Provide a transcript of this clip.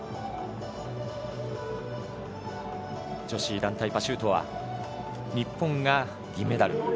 女子団体パシュートは日本が銀メダル。